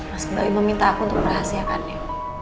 mas kembali meminta aku untuk merahasiakannya